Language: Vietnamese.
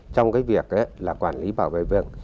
trong việc quản lý bảo vệ vườn